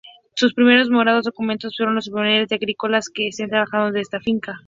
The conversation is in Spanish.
Sus primeros moradores documentados fueron las familias de agricultores que trabajaban en esta finca.